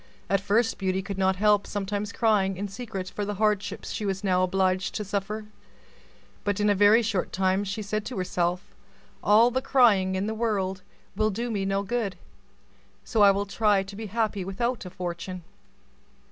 At first Beauty could not help sometimes crying in secret for the hardships she was now obliged to suffer; but in a very short time she said to herself, "All the crying in the world will do me no good, so I will try to be happy without a fortune."